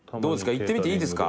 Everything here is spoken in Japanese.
いってみていいですか？